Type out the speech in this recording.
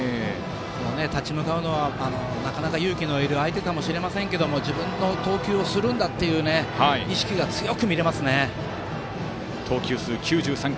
立ち向かうのはなかなか勇気がいる相手かもしれませんが自分の投球をするんだという意識が強く見えます。